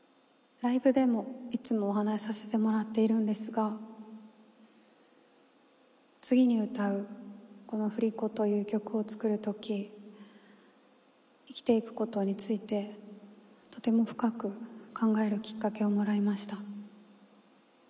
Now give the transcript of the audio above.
ライブでもいつも話させてもらっているんですが、次に歌う「振り子」という曲を作るとき、生きていくことについて、とても深く考えるきっかけをもらいました。